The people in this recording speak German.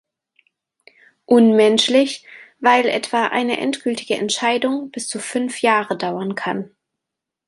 Unmenschlich, weil etwa eine endgültige Entscheidung bis zu fünf Jahre dauern kann.